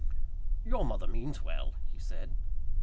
"Your mother means well," he said.